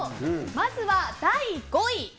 まずは、第５位。